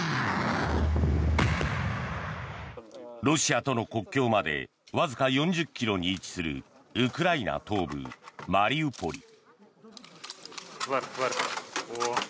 ロシアとの国境までわずか４０ｋｍに位置するウクライナ東部マリウポリ。